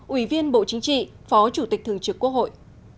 ủy viên bộ chính trị phó chủ tịch thường trực quốc hội